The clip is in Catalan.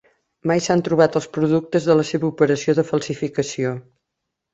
Mai s"han trobat els productes de la seva operació de falsificació.